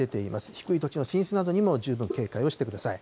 低い土地の浸水などにも十分警戒をしてください。